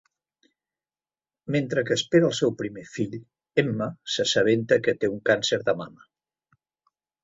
Mentre que espera el seu primer fill, Emma s'assabenta que té un càncer de mama.